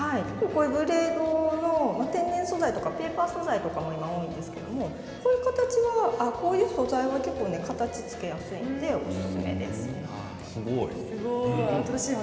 ブレードの天然素材とかペーパー素材も今多いんですけどこういう素材は結構形がつけやすいです。